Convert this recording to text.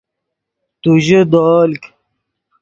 تو ژے دولک